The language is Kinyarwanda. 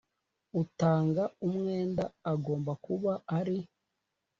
utanga umwenda agomba kuba ari